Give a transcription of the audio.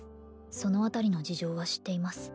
そのあたりの事情は知っています